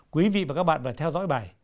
quý vị và các bạn phải theo dõi bài